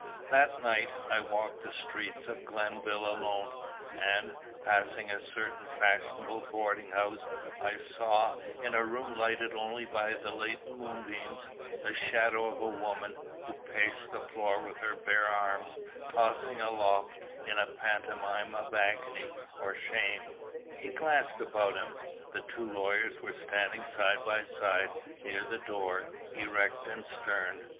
"That night I walked the streets of Glenville alone, and, passing a certain fashionable boarding house, I saw, in a room lighted only by the late moonbeams, the shadow of a woman, who paced the floor with her bare arms tossing aloft in a pantomime of agony, or shame." He glanced about him. The two lawyers were standing side by side near the door, erect and stern.